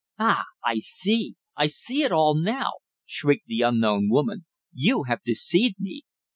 "Ah! I see I see it all now!" shrieked the unknown woman. "You have deceived me!